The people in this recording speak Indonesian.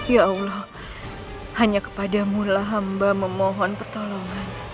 ya allah hanya kepadamulah hamba memohon pertolongan